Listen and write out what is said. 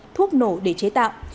thuốc nổ để chế tạo